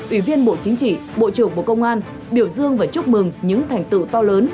ủy viên bộ chính trị bộ trưởng bộ công an biểu dương và chúc mừng những thành tựu to lớn